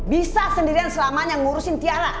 bisa sendirian selamanya ngurusin piala